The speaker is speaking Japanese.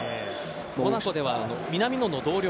モナコでは南野の同僚。